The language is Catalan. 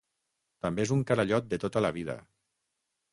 També és un carallot de tota la vida.